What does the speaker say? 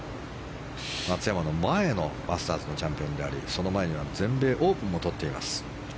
松山の前のマスターズのチャンピオンでありその前には全米オープンも取っています。